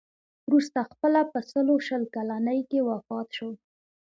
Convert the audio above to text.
وروسته خپله په سلو شل کلنۍ کې وفات شو.